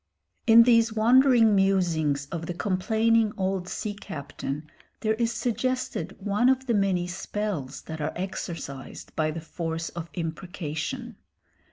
In these wandering musings of the complaining old sea captain there is suggested one of the many spells that are exercised by the force of imprecation.